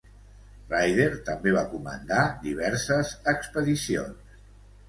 Ryder també va comandar diverses expedicions.